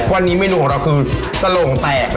วันนี้เมนูของเราคือสโรงแตกเลยค่ะ